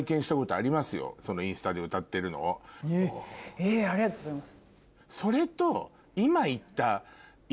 えっありがとうございます。